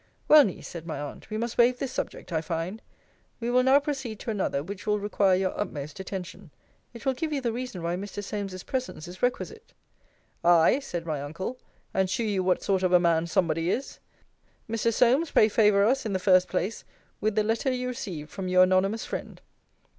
Well, Niece, said my aunt, we must wave this subject, I find. We will now proceed to another, which will require your utmost attention. It will give you the reason why Mr. Solmes's presence is requisite Ay, said my uncle, and shew you what sort of a man somebody is. Mr. Solmes, pray favour us, in the first place, with the letter you received from your anonymous friend.